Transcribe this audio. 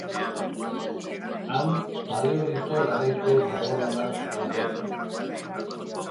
Han, Paleolito garaiko margolanak daude.